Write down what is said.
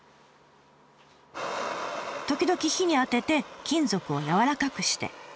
時々火に当てて金属を軟らかくして。